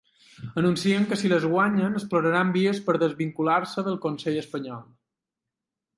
Anuncien que si les guanyen exploraran vies per desvincular-se del consell espanyol.